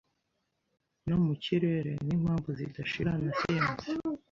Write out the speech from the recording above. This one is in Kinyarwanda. no mu kirere nimpamvu zidashira na siyansi